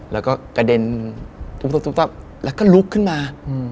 แล้วก็กระเด็นแล้วก็ลุกขึ้นมา